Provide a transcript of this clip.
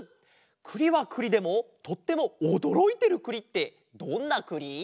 くりはくりでもとってもおどろいてるくりってどんなくり？